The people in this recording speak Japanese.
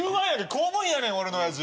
公務員やねん俺のおやじ。